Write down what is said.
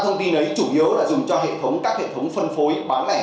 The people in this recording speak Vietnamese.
ba thông tin đấy chủ yếu là dùng cho các hệ thống phân phối bán lẻ